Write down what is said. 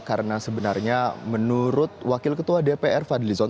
karena sebenarnya menurut wakil ketua dpr fadli lison